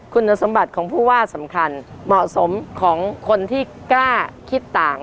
คุณสมบัติของผู้ว่าสำคัญเหมาะสมของคนที่กล้าคิดต่าง